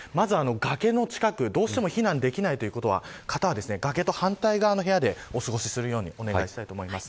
崖の近く、どうしても避難できないという方は崖と反対側の部屋で過ごすようにお願いします。